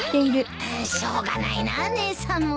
しょうがないな姉さんも。